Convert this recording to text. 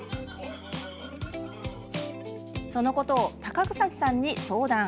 そのことを高草木さんに相談。